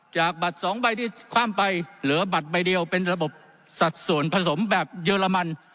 จากบัตรสองใบที่ความไปเหลือบัตรใบเดียวเป็นระบบสัดส่วนผสมแบบเยอรมัน